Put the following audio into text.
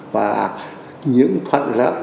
và những phận lợi